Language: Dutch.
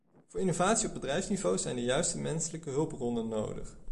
Voor innovatie op bedrijfsniveau zijn de juiste menselijke hulpbronnen nodig.